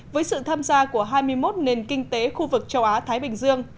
với sự tham gia của hai mươi một nền kinh tế khu vực châu á thái bình dương